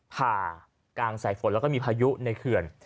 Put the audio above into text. ผ่ากลางสายฝนแล้วก็มีพายุในเขื่อน